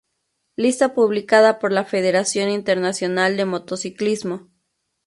Lista publicada por la Federación Internacional de Motociclismo.